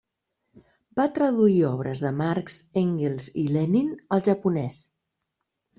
Va traduir obres de Marx, Engels i Lenin al japonès.